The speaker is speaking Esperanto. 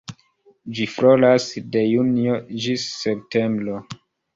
Ĝi floras de junio ĝis septembro.